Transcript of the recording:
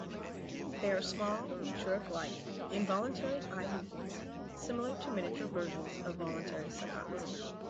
They are small, jerk-like, involuntary eye movements, similar to miniature versions of voluntary saccades.